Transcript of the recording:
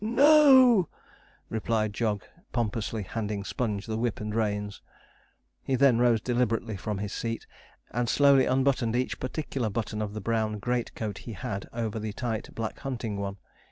'No,' replied Jog, pompously handing Sponge the whip and reins. He then rose deliberately from his seat, and slowly unbuttoned each particular button of the brown great coat he had over the tight black hunting one.